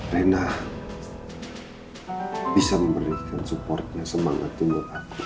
reina bisa memberikan supportnya semangatnya buat aku